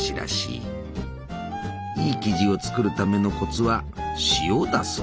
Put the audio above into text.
いい生地を作るためのコツは塩だそうじゃ。